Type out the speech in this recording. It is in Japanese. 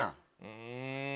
うん。